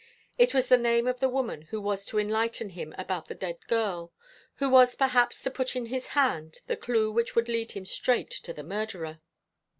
It was the name of the woman who was to enlighten him about the dead girl, who was perhaps to put in his hand the clue which would lead him straight to the murderer.